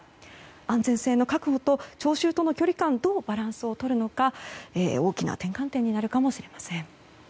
安全性の確保と聴衆との距離感どうバランスをとるのか大きな転換点になるかもしれません。